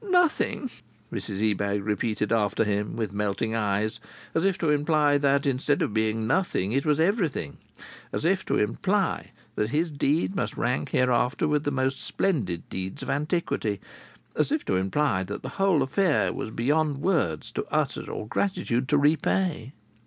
"Nothing?" Mrs Ebag repeated after him, with melting eyes, as if to imply that, instead of being nothing, it was everything; as if to imply that his deed must rank hereafter with the most splendid deeds of antiquity; as if to imply that the whole affair was beyond words to utter or gratitude to repay.